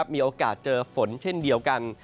มีโอกาสเจอฝนเช่นเดียวกัน